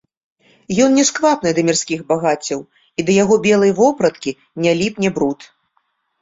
Ён не сквапны да мірскіх багаццяў і да яго белай вопраткі не ліпне бруд.